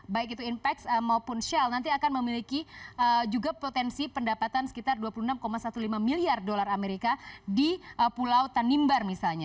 baik itu inpex maupun shell nanti akan memiliki juga potensi pendapatan sekitar dua puluh enam lima belas miliar dolar amerika di pulau tanimbar misalnya